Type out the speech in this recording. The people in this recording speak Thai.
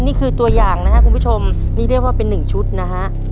นี่คือตัวอย่างนะครับคุณผู้ชมนี่เรียกว่าเป็นหนึ่งชุดนะฮะ